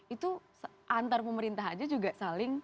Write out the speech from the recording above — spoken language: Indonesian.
itu antar pemerintah aja juga saling